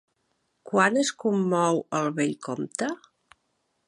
Quan es commou el vell comte?